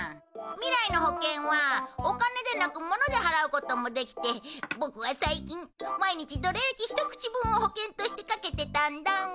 未来の保険はお金でなく物で払うこともできてボクは最近毎日ドラ焼きひと口分を保険としてかけてたんだ。